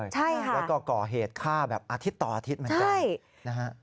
ใช่ค่ะแล้วก็ก่อเหตุฆ่าแบบอาทิตย์ต่ออาทิตย์เหมือนกันนะฮะ